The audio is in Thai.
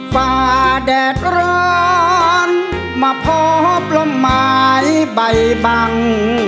ฝ่าแดดร้อนมาพบลมไม้ใบบัง